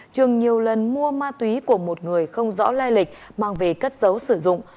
trường nhiều lần mua ma túy của một người không rõ lai lịch mang về cất dấu sử dụng